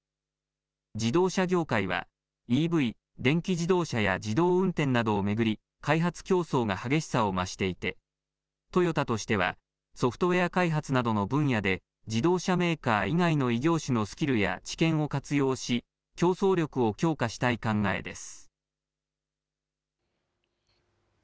自動車業界は、ＥＶ・電気自動車や自動運転などを巡り、開発競争が激しさを増していて、トヨタとしてはソフトウエア開発などの分野で、自動車メーカー以外の異業種のスキルや知見を活用し、競争力を強化したい考えです。